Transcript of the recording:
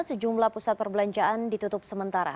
sejumlah pusat perbelanjaan ditutup sementara